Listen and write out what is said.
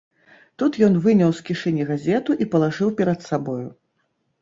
Тут ён выняў з кішэні газету і палажыў перад сабою.